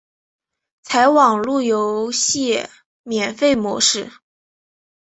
采网路游戏免费模式。